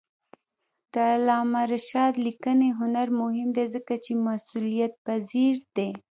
د علامه رشاد لیکنی هنر مهم دی ځکه چې مسئولیتپذیر دی.